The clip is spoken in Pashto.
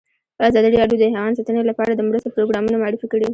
ازادي راډیو د حیوان ساتنه لپاره د مرستو پروګرامونه معرفي کړي.